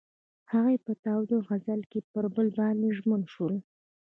هغوی په تاوده غزل کې پر بل باندې ژمن شول.